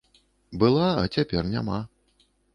Была, а цяпер няма.